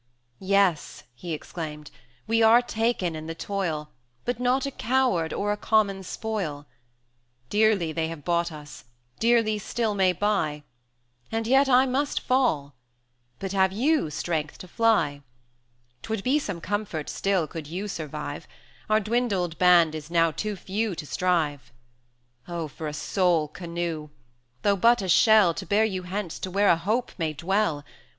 "Yes," he exclaimed, "we are taken in the toil, But not a coward or a common spoil; Dearly they have bought us dearly still may buy, And I must fall; but have you strength to fly? 'Twould be some comfort still, could you survive; Our dwindled band is now too few to strive. 160 Oh! for a sole canoe! though but a shell, To bear you hence to where a hope may dwell!